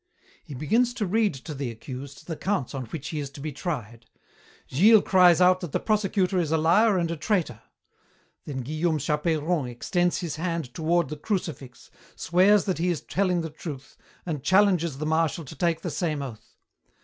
He begins to read to the accused the counts on which he is to be tried. Gilles cries out that the Prosecutor is a liar and a traitor. Then Guillaume Chapeiron extends his hand toward the crucifix, swears that he is telling the truth, and challenges the Marshal to take the same oath.